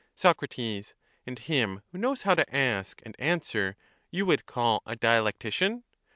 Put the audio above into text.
Soc. And him who knows how to ask and answer you would call a dialectician?